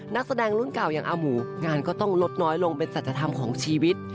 นักแสดงรุ่นเก่าอย่างอาหมูงานก็ต้องลดน้อยลงเป็นสัจธรรมของชีวิต